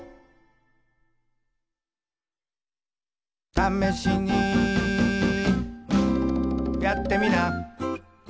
「ためしにやってみな」